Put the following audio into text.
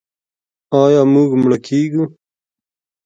آیا موږ مړه کیږو؟